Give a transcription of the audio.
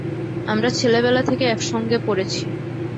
আমরা ছেলেবেলা থেকে একসঙ্গে পড়েছি।